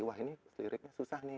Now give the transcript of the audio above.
wah ini liriknya susah nih